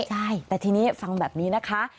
ใช่แต่ทีนี้ฟังแบบนี้นะคะ